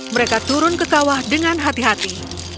mereka turun ke kawah dengan hati hati